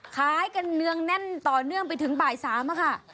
ขายกันเนืองแน่นต่อเนื่องไปถึงบ่าย๓ค่ะ